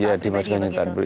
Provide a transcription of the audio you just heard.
ya dimas kanjeng tanbur